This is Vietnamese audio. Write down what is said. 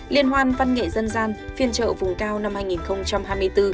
liên hoan văn nghệ dân gian phiên trợ vùng cao năm hai nghìn hai mươi bốn